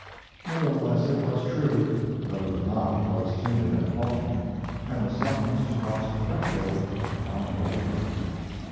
Nevertheless, it was true, though the knock was timid and halting and the summons to cross the threshold long delayed.